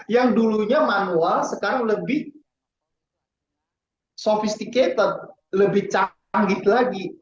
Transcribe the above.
yang dulunya manual sekarang lebih sophisticated lebih canggih lagi